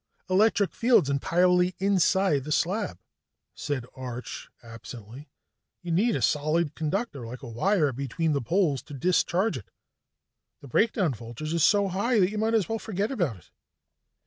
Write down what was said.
"Electric field's entirely inside the slab," said Arch absently. "You need a solid conductor, like a wire, between the poles to discharge it. The breakdown voltage is so high that you might as well forget about it."